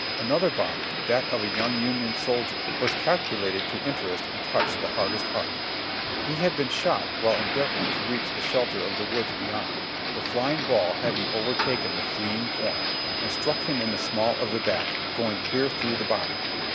Another body, that of a young Union soldier, was calculated to interest and touch the hardest heart. He had been shot while HOT TIMDS AROUND RICHMOND I77 endeavoring to reach the shelter of the woods beyond, the flying ball having overtaken the fleeing form, and struck him in the small of the back, going clear through the body.